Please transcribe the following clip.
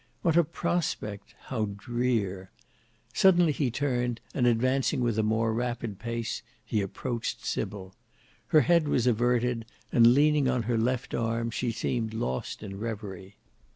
What a prospect: how drear! Suddenly he turned, and advancing with a more rapid pace: he approached Sybil. Her head was averted, and leaning on her left arm she seemed lost in reverie.